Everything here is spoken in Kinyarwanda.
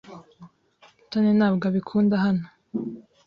Mutoni ntabwo abikunda hano.